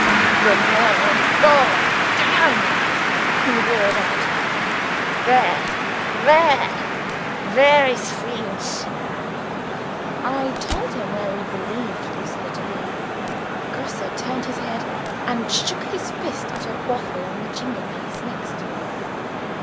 "Good morning go damn!" he roared out, "Where? where? where is Feench?" I told him where we believed Lucilla to be. Grosse turned his head, and shook his fist at a bottle on the chimney piece next.